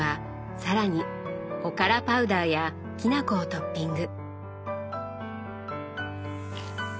更におからパウダーやきな粉をトッピング。